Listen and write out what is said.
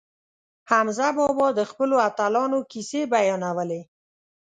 حمزه بابا د خپلو اتلانو کیسې بیانولې.